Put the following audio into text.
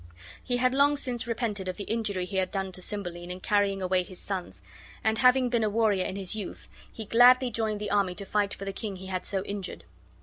He had long since repented of the injury he had done to Cymbeline in carrying away his sons; and, having been a warrior in his youth, he gladly joined the army to fight for the king he had so injured.